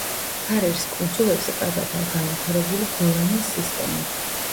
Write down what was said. ფარერის კუნძულებზე კარგადაა განვითარებული ბორანის სისტემა.